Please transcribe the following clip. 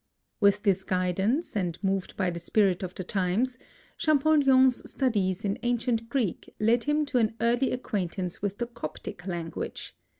With this guidance, and moved by the spirit of the times, Champollion's studies in ancient Greek led him to an early acquaintance with the Coptic language.